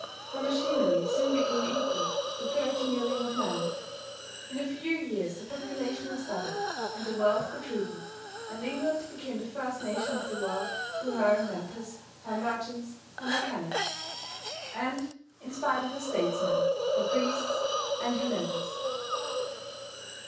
Her machinery soon became equal to 30,000,000 of men. In a few years the population was doubled and the wealth quadrupled; and England became the first nation of the world through her inventors, her merchants, her mechanics, and in spite of her statesmen, her priests and her nobles.